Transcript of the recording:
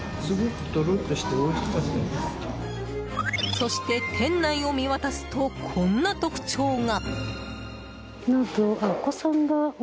そして、店内を見渡すとこんな特徴が。